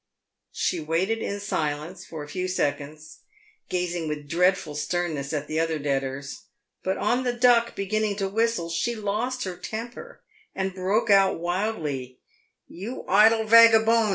She waited in silence for a few seconds, gazing with dreadful sternness at the other debtors ; but on the Duck beginning to whistle, she lost her temper, and broke out wildly, " You idle vaggabone